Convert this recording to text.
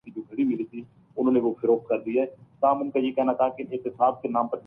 ملک کے طول وعرض میں آپ کے چاہنے والے موجود ہیں